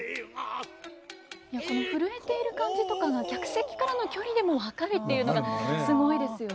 この震えている感じとかが客席からの距離でも分かるっていうのがすごいですよね。